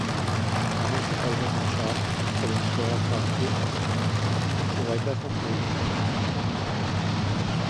Machen Sie also den Schaden für den Steuerzahler gut, soweit das noch möglich ist.